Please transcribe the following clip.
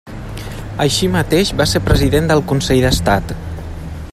Així mateix va ser president del Consell d'Estat.